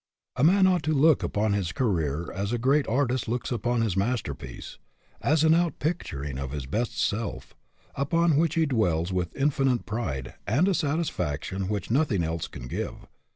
A man ought to look upon his career as a great artist looks upon his masterpiece, as an outpicturing of his best self, upon which he dwells with infinite pride and a satisfaction which nothing else can give.